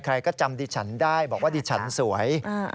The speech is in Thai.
ใครก็จำดิฉันได้บอกว่าดิฉันสวย